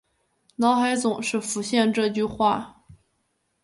脑海总是浮现这句话